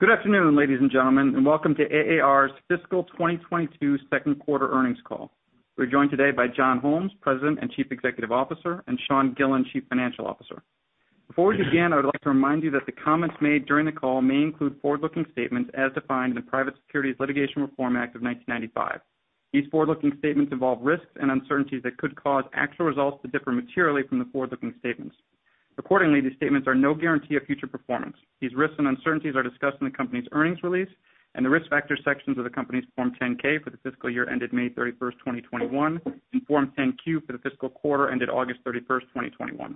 Good afternoon, ladies and gentlemen, and welcome to AAR's fiscal 2022 second quarter earnings call. We're joined today by John Holmes, President and Chief Executive Officer, and Sean Gillen, Chief Financial Officer. Before we begin, I would like to remind you that the comments made during the call may include forward-looking statements as defined in the Private Securities Litigation Reform Act of 1995. These forward-looking statements involve risks and uncertainties that could cause actual results to differ materially from the forward-looking statements. Accordingly, these statements are no guarantee of future performance. These risks and uncertainties are discussed in the company's earnings release and the Risk Factor sections of the company's Form 10-K for the fiscal year ended May 31, 2021, and Form 10-Q for the fiscal quarter ended August 31, 2021.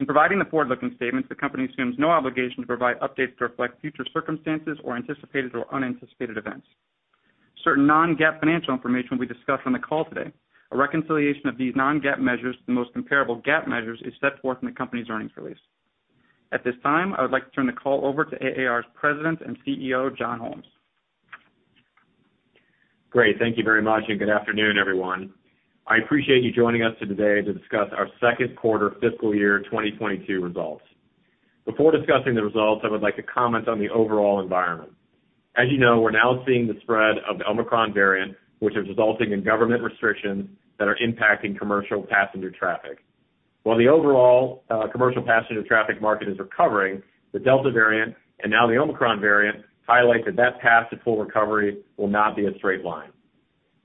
In providing the forward-looking statements, the company assumes no obligation to provide updates to reflect future circumstances or anticipated or unanticipated events. Certain non-GAAP financial information will be discussed on the call today. A reconciliation of these non-GAAP measures to the most comparable GAAP measures is set forth in the company's earnings release. At this time, I would like to turn the call over to AAR's President and CEO, John Holmes. Great. Thank you very much, and good afternoon, everyone. I appreciate you joining us today to discuss our second quarter fiscal year 2022 results. Before discussing the results, I would like to comment on the overall environment. As you know, we're now seeing the spread of the Omicron variant, which is resulting in government restrictions that are impacting commercial passenger traffic. While the overall commercial passenger traffic market is recovering, the Delta variant and now the Omicron variant highlight that that path to full recovery will not be a straight line.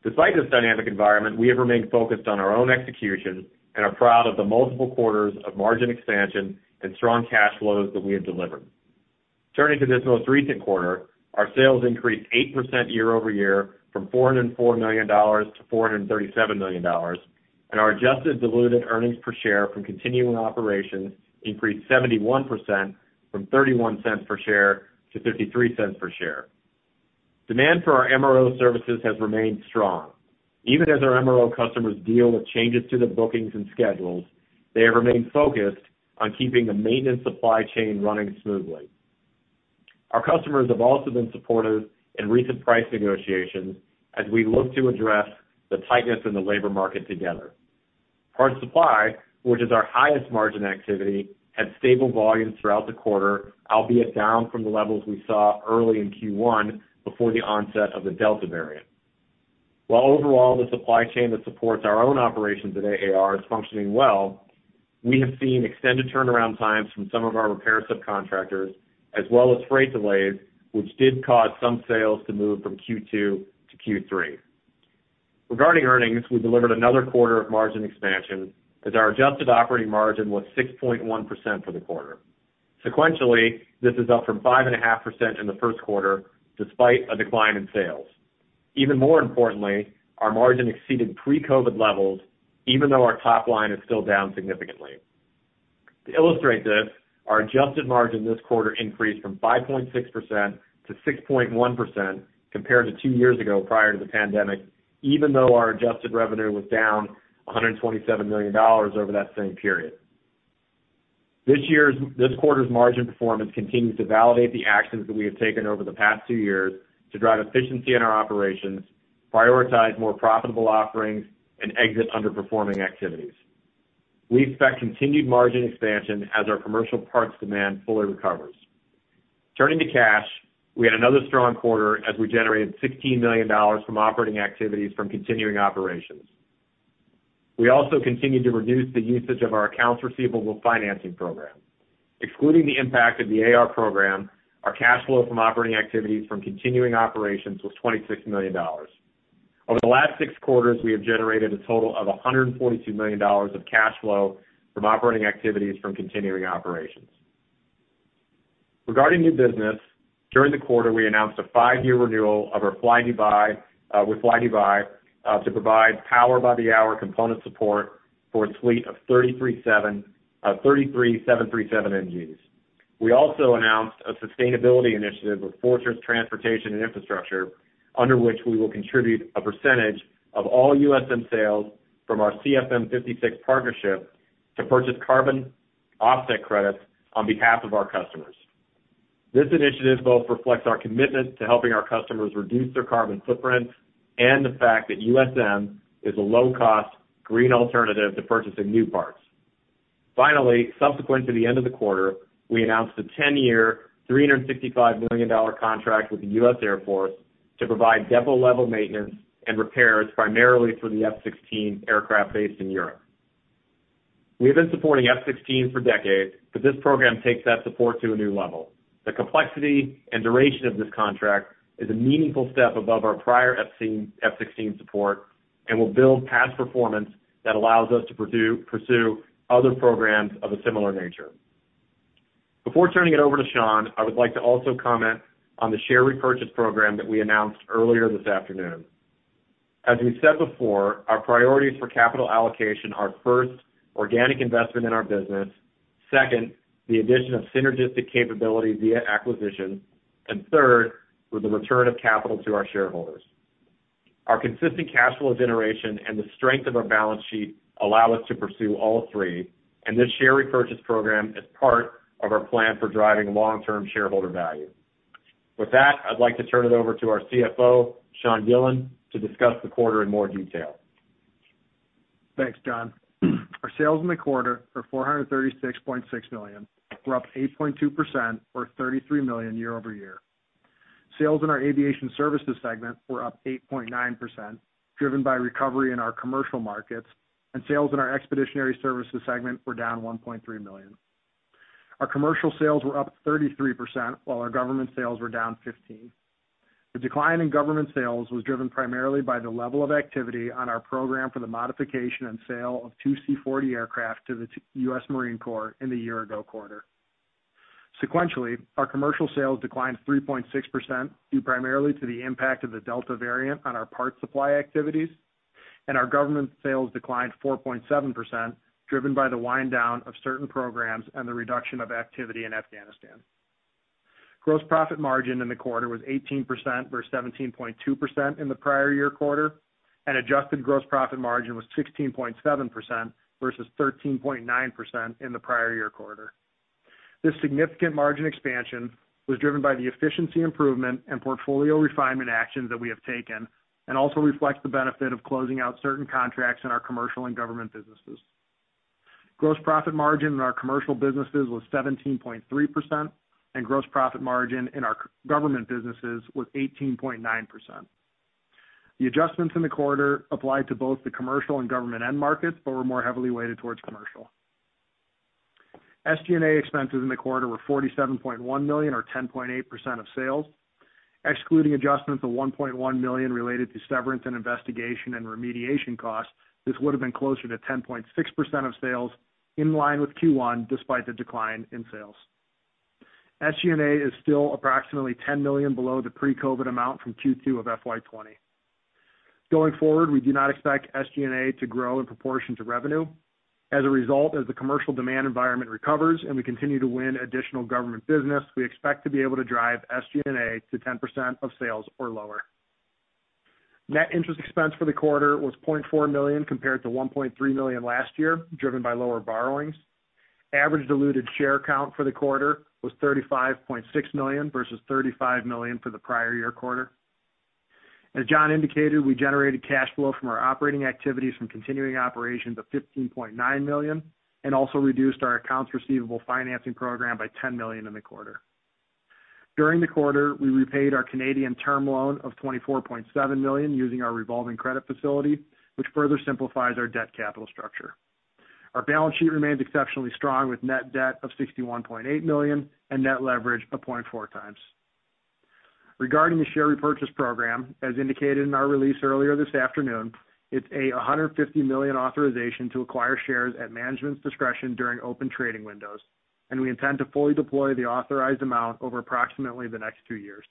Despite this dynamic environment, we have remained focused on our own execution and are proud of the multiple quarters of margin expansion and strong cash flows that we have delivered. Turning to this most recent quarter, our sales increased 8% year-over-year from $404 million to $437 million, and our adjusted diluted earnings per share from continuing operations increased 71% from $0.31 per share to $0.53 per share. Demand for our MRO services has remained strong. Even as our MRO customers deal with changes to the bookings and schedules, they have remained focused on keeping the maintenance supply chain running smoothly. Our customers have also been supportive in recent price negotiations as we look to address the tightness in the labor market together. Parts supply, which is our highest margin activity, had stable volumes throughout the quarter, albeit down from the levels we saw early in Q1 before the onset of the Delta variant. While overall the supply chain that supports our own operations at AAR is functioning well, we have seen extended turnaround times from some of our repair subcontractors, as well as freight delays, which did cause some sales to move from Q2 to Q3. Regarding earnings, we delivered another quarter of margin expansion as our adjusted operating margin was 6.1% for the quarter. Sequentially, this is up from 5.5% in the first quarter, despite a decline in sales. Even more importantly, our margin exceeded pre-COVID levels, even though our top line is still down significantly. To illustrate this, our adjusted margin this quarter increased from 5.6% to 6.1% compared to two years ago prior to the pandemic, even though our adjusted revenue was down $127 million over that same period. This quarter's margin performance continues to validate the actions that we have taken over the past two years to drive efficiency in our operations, prioritize more profitable offerings, and exit underperforming activities. We expect continued margin expansion as our commercial parts demand fully recovers. Turning to cash, we had another strong quarter as we generated $16 million from operating activities from continuing operations. We also continued to reduce the usage of our accounts receivable financing program. Excluding the impact of the AR program, our cash flow from operating activities from continuing operations was $26 million. Over the last six quarters, we have generated a total of $142 million of cash flow from operating activities from continuing operations. Regarding new business, during the quarter, we announced a five-year renewal with flydubai to provide power-by-the-hour component support for a fleet of 33 737NGs. We also announced a sustainability initiative with Fortress Transportation and Infrastructure, under which we will contribute a percentage of all USM sales from our CFM56 partnership to purchase carbon offset credits on behalf of our customers. This initiative both reflects our commitment to helping our customers reduce their carbon footprint and the fact that USM is a low-cost green alternative to purchasing new parts. Finally, subsequent to the end of the quarter, we announced a 10-year, $365 million contract with the U.S. Air Force to provide depot-level maintenance and repairs primarily for the F-16 aircraft based in Europe. We have been supporting F-16s for decades, but this program takes that support to a new level. The complexity and duration of this contract is a meaningful step above our prior F-16 support and will build past performance that allows us to pursue other programs of a similar nature. Before turning it over to Sean, I would like to also comment on the share repurchase program that we announced earlier this afternoon. As we've said before, our priorities for capital allocation are, first, organic investment in our business, second, the addition of synergistic capabilities via acquisition, and third, with the return of capital to our shareholders. Our consistent cash flow generation and the strength of our balance sheet allow us to pursue all three, and this share repurchase program is part of our plan for driving long-term shareholder value. With that, I'd like to turn it over to our CFO, Sean Gillen, to discuss the quarter in more detail. Thanks, John. Our sales in the quarter are $436.6 million. We're up 8.2% or $33 million year-over-year. Sales in our Aviation Services segment were up 8.9%, driven by recovery in our commercial markets, and sales in our Expeditionary Services segment were down $1.3 million. Our commercial sales were up 33% while our government sales were down 15%. The decline in government sales was driven primarily by the level of activity on our program for the modification and sale of two C-40 aircraft to the U.S. Marine Corps in the year-ago quarter. Sequentially, our commercial sales declined 3.6%, due primarily to the impact of the Delta variant on our parts supply activities, and our government sales declined 4.7%, driven by the wind down of certain programs and the reduction of activity in Afghanistan. Gross profit margin in the quarter was 18% versus 17.2% in the prior year quarter, and adjusted gross profit margin was 16.7% versus 13.9% in the prior year quarter. This significant margin expansion was driven by the efficiency improvement and portfolio refinement actions that we have taken, and also reflects the benefit of closing out certain contracts in our commercial and government businesses. Gross profit margin in our commercial businesses was 17.3%, and gross profit margin in our government businesses was 18.9%. The adjustments in the quarter applied to both the commercial and government end markets, but were more heavily weighted towards commercial. SG&A expenses in the quarter were $47.1 million or 10.8% of sales. Excluding adjustments of $1.1 million related to severance, and investigation, and remediation costs, this would have been closer to 10.6% of sales in line with Q1 despite the decline in sales. SG&A is still approximately $10 million below the pre-COVID amount from Q2 of FY 2020. Going forward, we do not expect SG&A to grow in proportion to revenue. As a result, as the commercial demand environment recovers and we continue to win additional government business, we expect to be able to drive SG&A to 10% of sales or lower. Net interest expense for the quarter was $0.4 million compared to $1.3 million last year, driven by lower borrowings. Average diluted share count for the quarter was 35.6 million versus 35 million for the prior year quarter. As John indicated, we generated cash flow from our operating activities from continuing operations of $15.9 million, and also reduced our accounts receivable financing program by $10 million in the quarter. During the quarter, we repaid our Canadian term loan of $24.7 million using our revolving credit facility, which further simplifies our debt capital structure. Our balance sheet remains exceptionally strong with net debt of $61.8 million and net leverage of 0.4x. Regarding the share repurchase program, as indicated in our release earlier this afternoon, it's $150 million authorization to acquire shares at management's discretion during open trading windows, and we intend to fully deploy the authorized amount over approximately the next two years.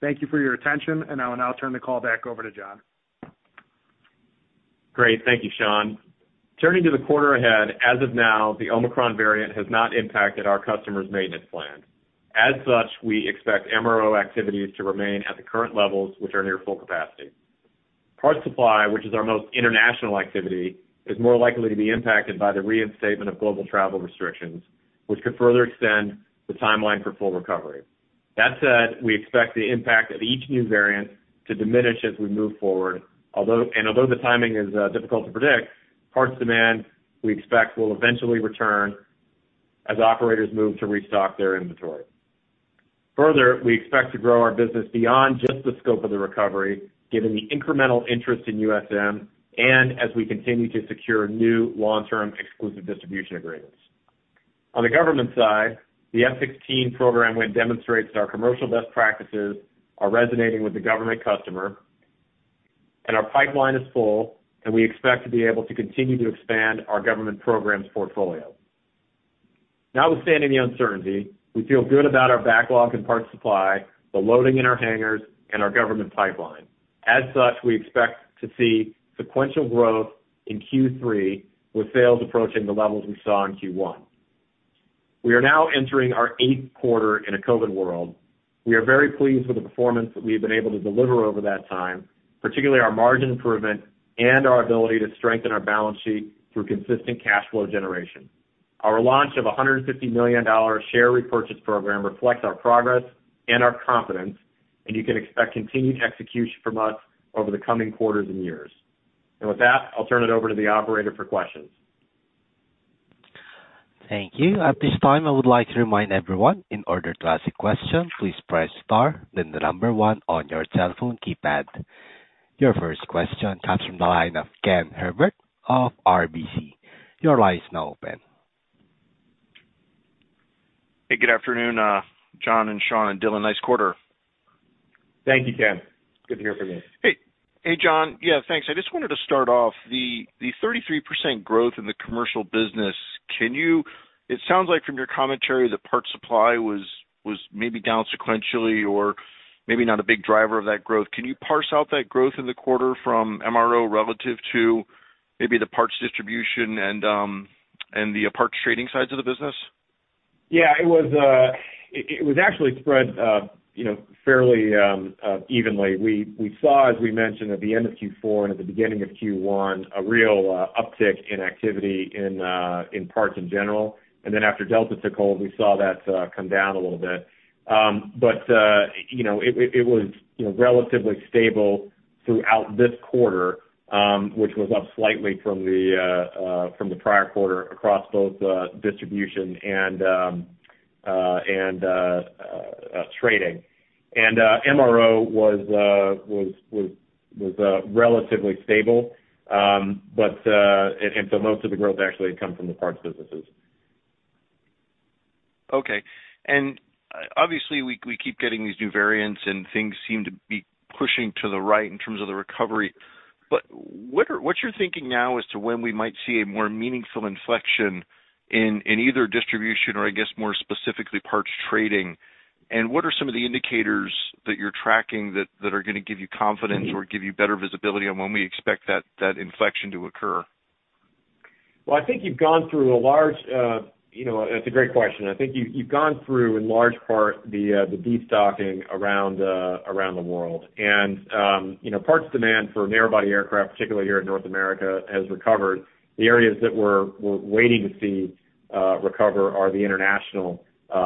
Thank you for your attention, and I will now turn the call back over to John. Great. Thank you, Sean. Turning to the quarter ahead, as of now, the Omicron variant has not impacted our customers' maintenance plans. As such, we expect MRO activities to remain at the current levels which are near full capacity. Parts supply, which is our most international activity, is more likely to be impacted by the reinstatement of global travel restrictions, which could further extend the timeline for full recovery. That said, we expect the impact of each new variant to diminish as we move forward. Although the timing is difficult to predict, parts demand, we expect, will eventually return as operators move to restock their inventory. Further, we expect to grow our business beyond just the scope of the recovery, given the incremental interest in USM and as we continue to secure new long-term exclusive distribution agreements. On the government side, the F-16 program win demonstrates that our commercial best practices are resonating with the government customer, and our pipeline is full, and we expect to be able to continue to expand our government programs portfolio. Notwithstanding the uncertainty, we feel good about our backlog and parts supply, the loading in our hangars, and our government pipeline. As such, we expect to see sequential growth in Q3 with sales approaching the levels we saw in Q1. We are now entering our eighth quarter in a COVID world. We are very pleased with the performance that we've been able to deliver over that time, particularly our margin improvement and our ability to strengthen our balance sheet through consistent cash flow generation. Our launch of $150 million share repurchase program reflects our progress and our confidence, and you can expect continued execution from us over the coming quarters and years. With that, I'll turn it over to the operator for questions. Thank you. At this time, I would like to remind everyone, in order to ask a question, please press star then the number one on your telephone keypad. Your first question comes from the line of Ken Herbert of RBC. Your line is now open. Hey, good afternoon, John, and Sean, and Dylan. Nice quarter. Thank you, Ken. Good to hear from you. Hey, hey, John. Yeah, thanks. I just wanted to start off, the 33% growth in the commercial business. Can you, it sounds like from your commentary that parts supply was maybe down sequentially or maybe not a big driver of that growth. Can you parse out that growth in the quarter from MRO relative to maybe the parts distribution and the parts trading sides of the business? Yeah, it was actually spread, you know, fairly evenly. We saw, as we mentioned at the end of Q4 and at the beginning of Q1, a real uptick in activity in parts in general. After Delta took hold, we saw that come down a little bit. You know, it was relatively stable throughout this quarter, which was up slightly from the prior quarter across both distribution and trading. MRO was relatively stable. Most of the growth actually had come from the parts businesses. Okay. Obviously we keep getting these new variants, and things seem to be pushing to the right in terms of the recovery. What’s your thinking now as to when we might see a more meaningful inflection in either distribution or I guess more specifically parts trading? What are some of the indicators that you’re tracking that are gonna give you confidence or give you better visibility on when we expect that inflection to occur? Well, I think you've gone through a large, you know. That's a great question. I think you've gone through in large part the destocking around the world. Parts demand for narrow body aircraft, particularly here in North America, has recovered. The areas that we're waiting to see recover are the international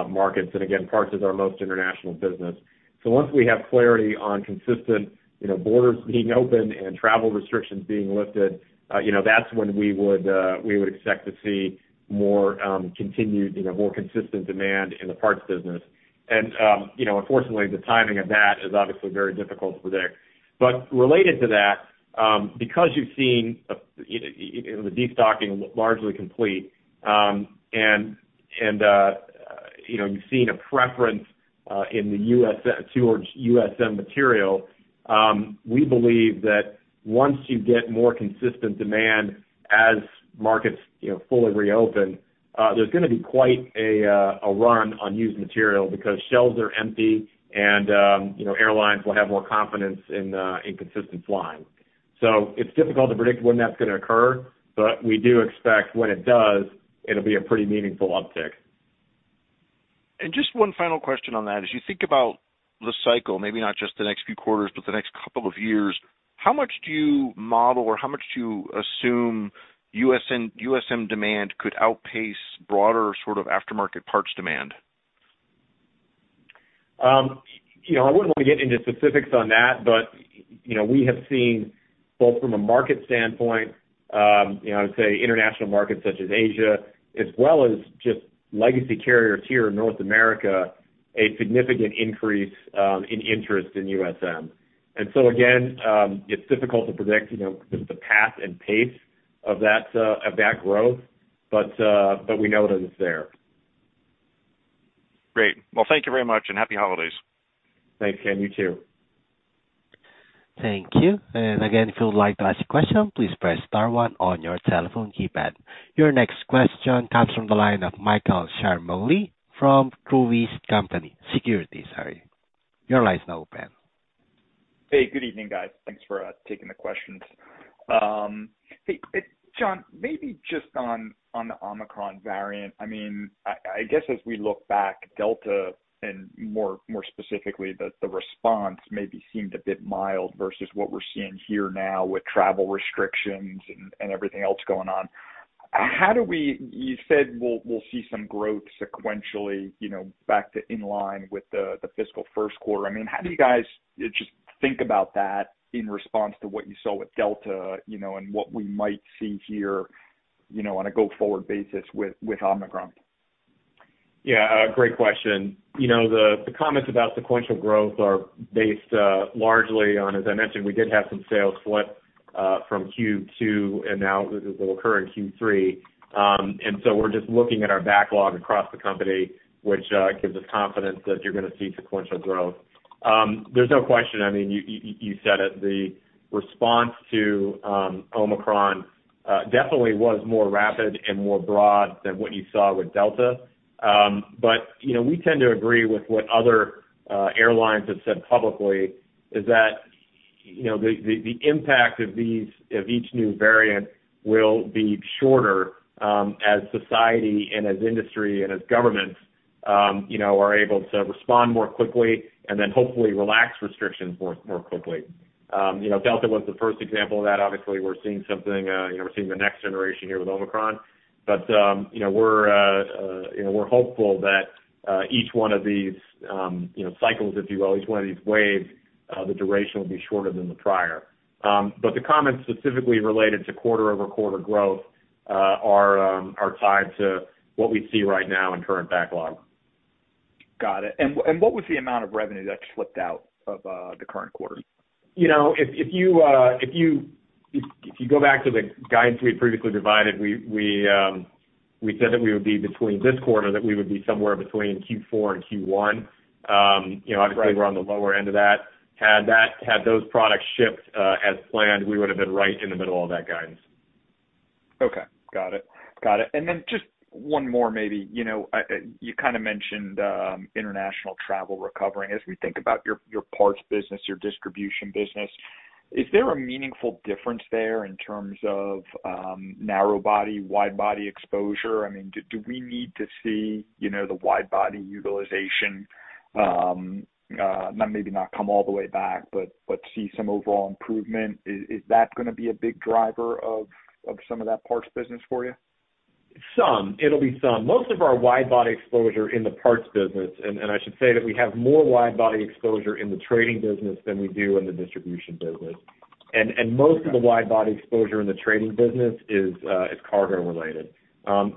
markets. Again, parts is our most international business. Once we have clarity on consistent, you know, borders being open and travel restrictions being lifted, you know, that's when we would expect to see more continued, you know, more consistent demand in the parts business. You know, unfortunately, the timing of that is obviously very difficult to predict. Related to that, because you've seen, you know, the destocking largely complete, and you know, you've seen a preference in the U.S. towards USM material, we believe that once you get more consistent demand as markets, you know, fully reopen, there's gonna be quite a run on used material because shelves are empty and, you know, airlines will have more confidence in consistent flying. It's difficult to predict when that's gonna occur, but we do expect when it does, it'll be a pretty meaningful uptick. Just one final question on that. As you think about the cycle, maybe not just the next few quarters, but the next couple of years, how much do you model, or how much do you assume USM demand could outpace broader sort of aftermarket parts demand? You know, I wouldn't want to get into specifics on that, but you know, we have seen both from a market standpoint, you know, say international markets such as Asia, as well as just legacy carriers here in North America, a significant increase in interest in USM. Again, it's difficult to predict, you know, the path and pace of that growth, but we know that it's there. Great. Well, thank you very much, and happy holidays. Thanks, Ken. You too. Thank you. Again, if you would like to ask a question, please press star one on your telephone keypad. Your next question comes from the line of Michael Ciarmoli from Truist Securities, sorry. Your line is now open. Hey, good evening, guys. Thanks for taking the questions. Hey, John, maybe just on the Omicron variant. I mean, I guess as we look back, Delta, and more specifically, the response maybe seemed a bit mild versus what we're seeing here now with travel restrictions and everything else going on. How do we? You said we'll see some growth sequentially, you know, back to in line with the fiscal first quarter. I mean, how do you guys just think about that in response to what you saw with Delta, you know, and what we might see here, you know, on a go-forward basis with Omicron? Yeah. Great question. You know, the comments about sequential growth are based largely on, as I mentioned, we did have some sales flip from Q2, and now it will occur in Q3. We're just looking at our backlog across the company, which gives us confidence that you're gonna see sequential growth. There's no question. I mean, you said it. The response to Omicron definitely was more rapid and more broad than what you saw with Delta. You know, we tend to agree with what other airlines have said publicly is that, you know, the impact of these of each new variant will be shorter as society and as industry and as governments you know are able to respond more quickly and then hopefully relax restrictions more quickly. You know, Delta was the first example of that. Obviously, we're seeing something, you know, we're seeing the next generation here with Omicron. You know, we're hopeful that each one of these, you know, cycles, if you will, each one of these waves, the duration will be shorter than the prior. The comments specifically related to quarter-over-quarter growth are tied to what we see right now in current backlog. Got it. What was the amount of revenue that slipped out of the current quarter? You know, if you go back to the guidance we had previously provided, we said that we would be between this quarter, that we would be somewhere between Q4 and Q1. You know, obviously we're on the lower end of that. Had those products shipped as planned, we would have been right in the middle of that guidance. Okay. Got it. Just one more maybe. You know, you kinda mentioned international travel recovering. As we think about your parts business, your distribution business, is there a meaningful difference there in terms of narrow body, wide body exposure? I mean, do we need to see, you know, the wide body utilization, maybe not come all the way back, but see some overall improvement? Is that gonna be a big driver of some of that parts business for you? Some. It'll be some. Most of our wide body exposure in the parts business, and I should say that we have more wide body exposure in the trading business than we do in the distribution business. Most of the wide body exposure in the trading business is cargo related.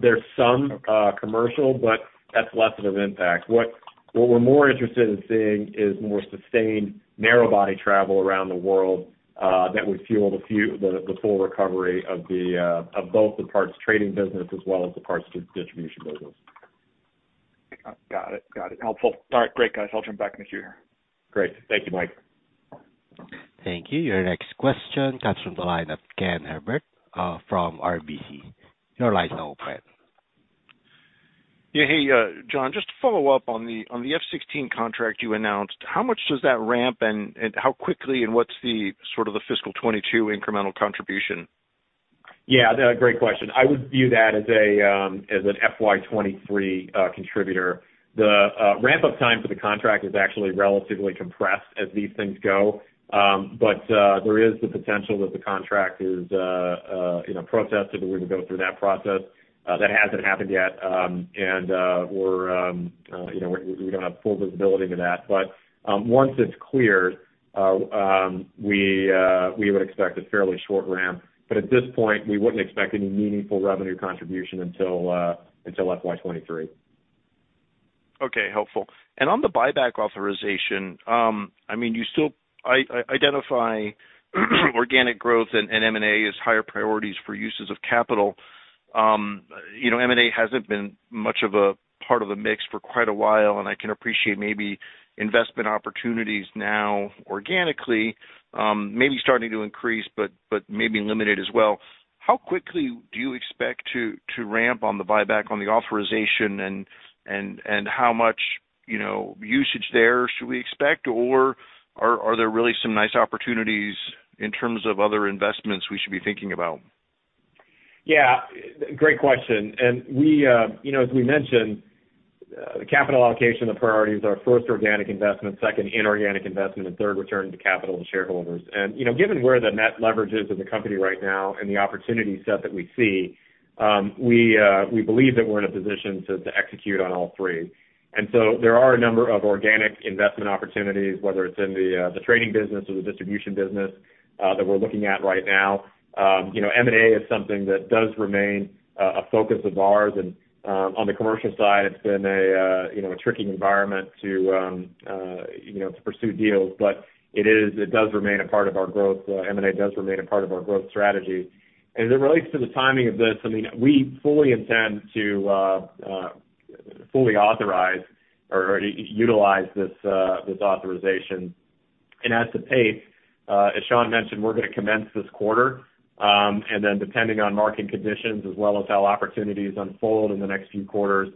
There's some commercial, but that's less of an impact. What we're more interested in seeing is more sustained narrow body travel around the world that would fuel the full recovery of both the parts trading business as well as the parts distribution business. Got it. Helpful. All right. Great, guys. I'll jump back in the queue here. Great. Thank you, Mike. Thank you. Your next question comes from the line of Ken Herbert from RBC. Your line's now open. Yeah. Hey, John, just to follow up on the F-16 contract you announced, how much does that ramp and how quickly and what's sort of the fiscal 2022 incremental contribution? Yeah, great question. I would view that as an FY 2023 contributor. The ramp up time for the contract is actually relatively compressed as these things go. There is the potential that the contract is, you know, protested. We're gonna go through that process. That hasn't happened yet. We don't have full visibility to that. Once it's cleared, we would expect a fairly short ramp. At this point, we wouldn't expect any meaningful revenue contribution until FY 2023. Okay. Helpful. On the buyback authorization, I mean, you still identify organic growth and M&A as higher priorities for uses of capital. You know, M&A hasn't been much of a part of the mix for quite a while, and I can appreciate maybe investment opportunities now organically, maybe starting to increase, but maybe limited as well. How quickly do you expect to ramp on the buyback on the authorization and how much, you know, usage there should we expect? Or are there really some nice opportunities in terms of other investments we should be thinking about? Yeah. Great question. We, you know, as we mentioned, capital allocation, the priorities are first organic investment, second inorganic investment, and third return to capital and shareholders. You know, given where the net leverage is in the company right now and the opportunity set that we see, we believe that we're in a position to execute on all three. There are a number of organic investment opportunities, whether it's in the trading business or the distribution business, that we're looking at right now. You know, M&A is something that does remain a focus of ours. On the commercial side, it's been, you know, a tricky environment to, you know, to pursue deals. It is, it does remain a part of our growth. M&A does remain a part of our growth strategy. As it relates to the timing of this, I mean, we fully intend to fully authorize or utilize this authorization. As to pace, as Sean mentioned, we're gonna commence this quarter, and then depending on market conditions as well as how opportunities unfold in the next few quarters,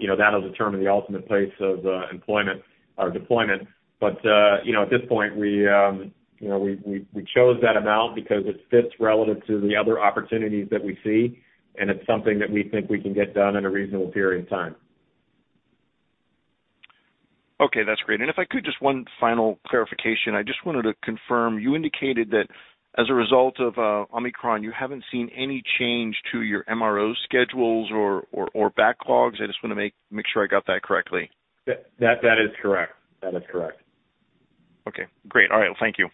you know, that'll determine the ultimate pace of employment or deployment. You know, at this point we, you know, we chose that amount because it fits relative to the other opportunities that we see, and it's something that we think we can get done in a reasonable period of time. Okay. That's great. If I could just one final clarification. I just wanted to confirm, you indicated that as a result of Omicron, you haven't seen any change to your MRO schedules or backlogs. I just wanna make sure I got that correctly. That is correct. That is correct. Okay, great. All right, thank you.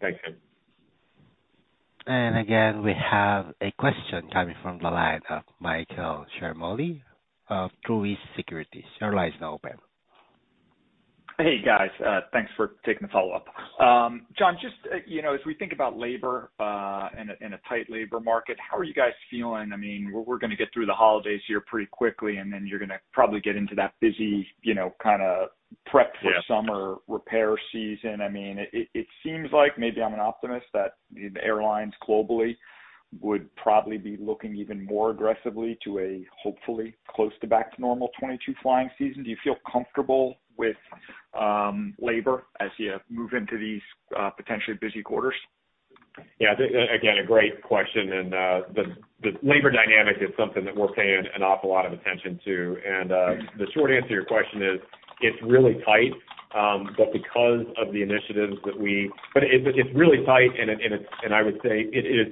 Thanks, Ken. Again, we have a question coming from the line of Michael Ciarmoli of Truist Securities. Your line is now open. Hey, guys. Thanks for taking the follow-up. John, just, you know, as we think about labor and a tight labor market, how are you guys feeling? I mean, we're gonna get through the holidays here pretty quickly, and then you're gonna probably get into that busy, you know, kinda prep- Yeah. For summer repair season. I mean, it seems like, maybe I'm an optimist, that the airlines globally would probably be looking even more aggressively to a hopefully close to back to normal 2022 flying season. Do you feel comfortable with labor as you move into these potentially busy quarters? Yeah. Again, a great question. The labor dynamic is something that we're paying an awful lot of attention to. The short answer to your question is it's really tight, but it's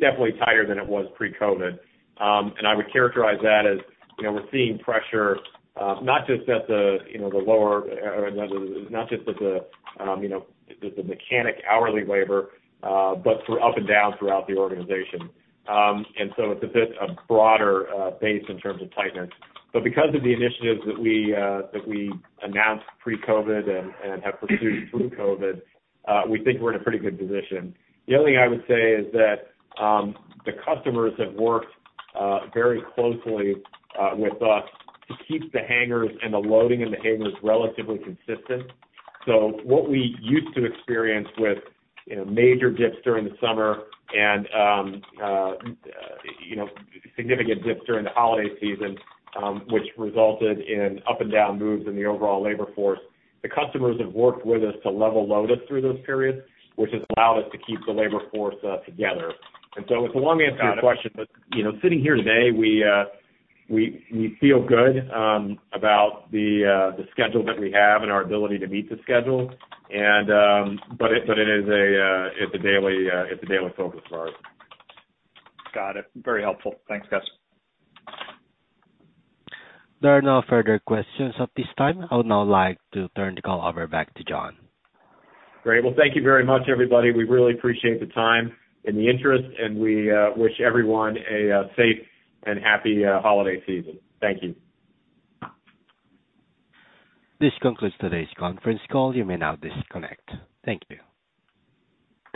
definitely tighter than it was pre-COVID. I would characterize that as, you know, we're seeing pressure, you know, not just at the lower or not just at the mechanic hourly labor, but up and down throughout the organization. It's a bit broader base in terms of tightness. Because of the initiatives that we announced pre-COVID and have pursued through COVID, we think we're in a pretty good position. The only thing I would say is that the customers have worked very closely with us to keep the hangars and the loading in the hangars relatively consistent. What we used to experience with, you know, major dips during the summer and, you know, significant dips during the holiday season, which resulted in up and down moves in the overall labor force, the customers have worked with us to level load us through those periods, which has allowed us to keep the labor force together. It's a long answer to your question. You know, sitting here today, we feel good about the schedule that we have and our ability to meet the schedule. It is a daily focus of ours. Got it. Very helpful. Thanks, guys. There are no further questions at this time. I would now like to turn the call over back to John. Great. Well, thank you very much, everybody. We really appreciate the time and the interest, and we wish everyone a safe and happy holiday season. Thank you. This concludes today's conference call. You may now disconnect. Thank you.